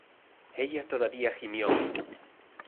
ella todavía gimió: